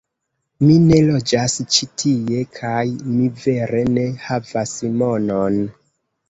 Mi ne loĝas ĉi tie, kaj mi vere ne havas monon